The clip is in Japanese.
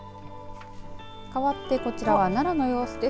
かわってこちらは奈良の様子です。